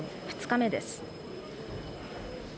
２日目です。